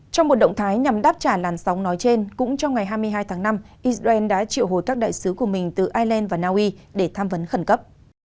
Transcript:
trong một động thái nhằm đáp trả làn sóng nói trên cũng trong ngày hai mươi hai tháng năm israel đã triệu hồi các đại sứ của mình từ ireland và naui để tham vấn khẩn cấp